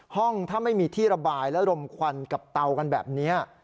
ถ้าไม่มีที่ระบายและลมควันกับเตากันแบบนี้